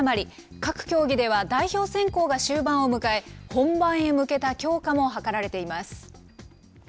各競技では代表選考が終盤を迎え、本番へ向けた強化も図られています。